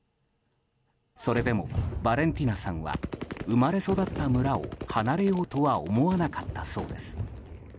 それでもバレンティナさんは生まれ育った村を離れようとは思わなかったそうです。